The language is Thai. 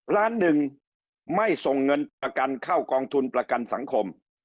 ล้านหนึ่งไม่ส่งเงินประกันเข้ากองทุนประกันสังคม